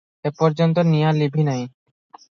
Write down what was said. ଏପର୍ଯ୍ୟନ୍ତ ନିଆଁ ଲିଭି ନାହିଁ ।